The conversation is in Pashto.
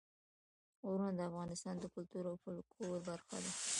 غرونه د افغانستان د کلتور او فولکلور برخه ده.